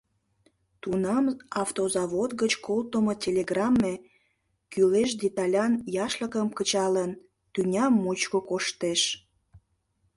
Тунам автозавод гыч колтымо телеграмме, кӱлеш деталян яшлыкым кычалын, тӱня мучко коштеш.